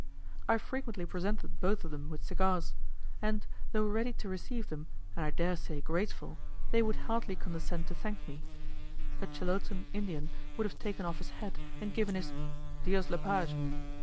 I frequently presented both of them with cigars; and though ready to receive them, and I dare say grateful, they would hardly condescend to thank me. A Chilotan Indian would have taken off his hat, and given his "Dios le page!"